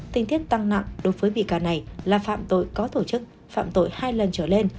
tinh tiết tăng nặng đối với bị can này là phạm tội có tổ chức phạm tội hai lần trở lên